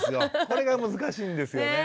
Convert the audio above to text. これが難しいんですよね。